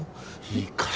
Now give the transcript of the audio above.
いいから！